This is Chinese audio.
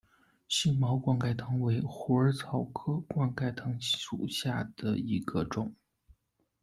星毛冠盖藤为虎耳草科冠盖藤属下的一个种。